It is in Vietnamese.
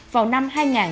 vào năm hai nghìn hai mươi